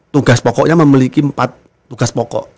tugas pokoknya memiliki empat tugas pokok